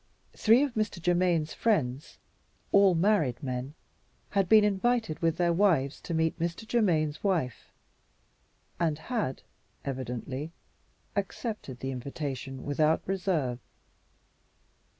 Three of Mr. Germaine's friends, all married men, had been invited with their wives to meet Mr. Germaine's wife, and had (evidently) accepted the invitation without reserve.